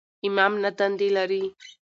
امام نهه دندې لري.